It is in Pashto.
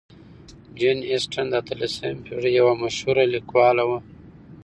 جین اسټن د اتلسمې پېړۍ یو مشهورې لیکواله وه.